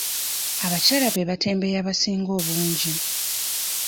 Abakyala be batembeeyi abasinga obungi.